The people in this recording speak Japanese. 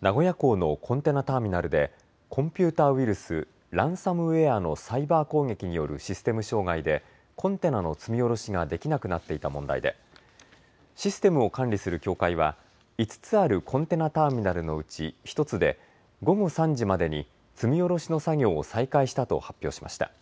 名古屋港のコンテナターミナルでコンピューターウイルス、ランサムウエアのサイバー攻撃によるシステム障害でコンテナの積み降ろしができなくなっていた問題でシステムを管理する協会は５つあるコンテナターミナルのうち１つで午後３時までに積み降ろしの作業を再開したと発表しました。